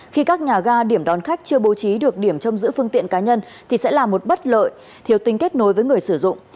khi các nhà ga điểm đón khách chưa bố trí được điểm trong giữ phương tiện cá nhân thì sẽ là một bất lợi thiếu tính kết nối với người sử dụng